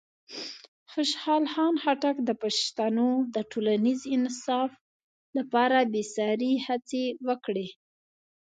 خوشحال خان خټک د پښتنو د ټولنیز انصاف لپاره بېساري هڅې وکړې.